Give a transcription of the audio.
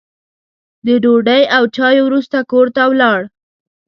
د ډوډۍ او چایو وروسته کور ته ولاړ.